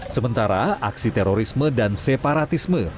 sementara aksi terorisme dan separatisme